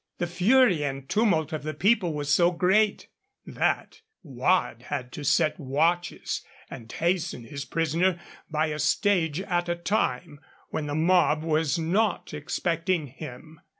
'The fury and tumult of the people was so great' that Waad had to set watches, and hasten his prisoner by a stage at a time, when the mob was not expecting him.